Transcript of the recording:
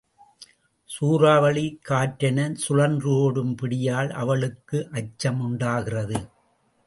சூறாவளிக் காற்றெனச் சுழன்று ஓடும் பிடியால் அவளுக்கு அச்ச முண்டாகிறது.